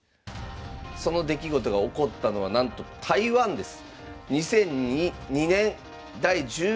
その出来事が起こったのはなんと台湾です。